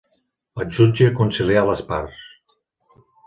El jutge concilià les parts.